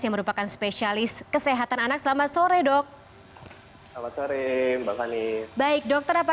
yang merupakan spesialis kesehatan anak selamat sore dok selamat sore mbak fani baik dokter apa